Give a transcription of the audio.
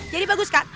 jadi bagus kak